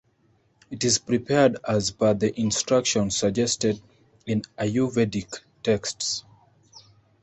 It is prepared as per the instructions suggested in Ayurvedic texts.